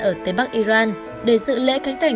ở tây bắc iran để dự lễ cánh thành đập chiến